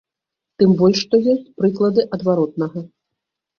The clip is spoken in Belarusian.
Тым больш што ёсць прыклады адваротнага.